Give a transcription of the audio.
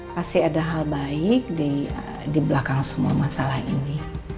pasti ada hal baik di belakang semua masalah ini